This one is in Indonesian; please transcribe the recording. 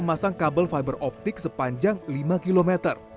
memasang kabel fiber optik sepanjang lima km